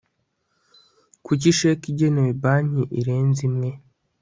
kuri sheki igenewe banki irenze imwe